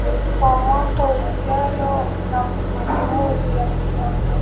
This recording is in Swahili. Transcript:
kwa mwakaUhusiano na Jamhuri ya Kidemokrasia ya Kongo si mzuri hata baada ya